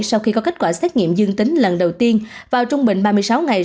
sau khi có kết quả xét nghiệm dương tính lần đầu tiên vào trung bình ba mươi sáu ngày